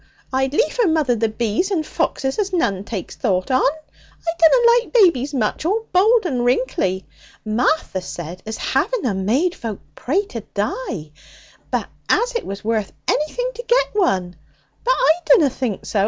I'd liefer mother the bees and foxes as none takes thought on. I dunna like babies much all bald and wrinkly. Martha said as having 'em made folk pray to die, but as it was worth anything to get one. But I dunna think so.